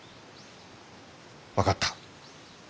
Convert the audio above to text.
分かった。